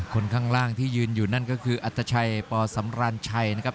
คนข้างล่างที่ยืนอยู่นั่นก็คืออัตชัยปสำราญชัยนะครับ